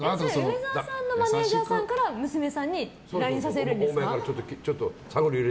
梅沢さんのマネジャーさんから娘さんにＬＩＮＥさせるんですか？